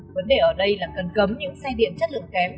vấn đề ở đây là cần cấm những xe điện chất lượng kém